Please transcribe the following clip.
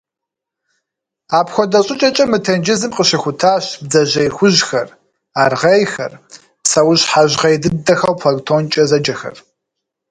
Апхуэдэ щӀыкӀэкӀэ мы тенджызым къыщыхутащ бдзэжьей хужьхэр, аргъейхэр, псэущхьэ жьгъей дыдэхэу «планктонкӀэ» зэджэхэр.